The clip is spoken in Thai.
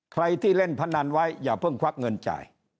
ใครที่เล่นพนันไว้อย่าเพิ่งควักเงินจ่าย